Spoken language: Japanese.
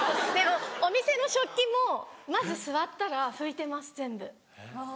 お店の食器もまず座ったら拭いてます全部。